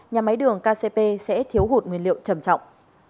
nhà máy đường kcp sẽ thiếu hụt nguyên liệu trầm trọng